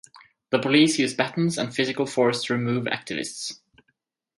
The police used batons and physical force to remove activists.